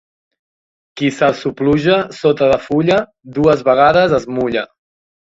Qui se sopluja sota de fulla, dues vegades es mulla.